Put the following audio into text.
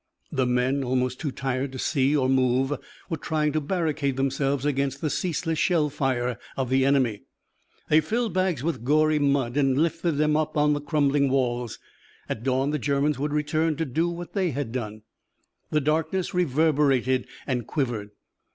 The men, almost too tired to see or move, were trying to barricade themselves against the ceaseless shell fire of the enemy. They filled bags with gory mud and lifted them on the crumbling walls. At dawn the Germans would return to do what they had done. The darkness reverberated and quivered.